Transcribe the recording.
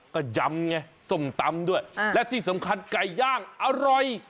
ก็ยำไงส้มตำด้วยและที่สำคัญไก่ย่างอร่อย